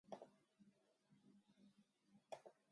新潟県魚沼市